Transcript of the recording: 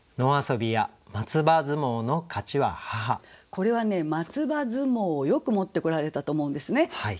これはね「松葉相撲」をよく持ってこられたと思うんですね。